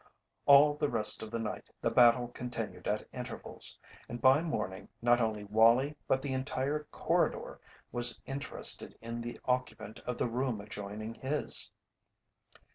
All the rest of the night the battle continued at intervals, and by morning not only Wallie but the entire corridor was interested in the occupant of the room adjoining his.